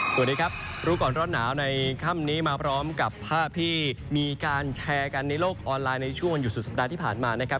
สวัสดีครับรู้ก่อนร้อนหนาวในค่ำนี้มาพร้อมกับภาพที่มีการแชร์กันในโลกออนไลน์ในช่วงวันหยุดสุดสัปดาห์ที่ผ่านมานะครับ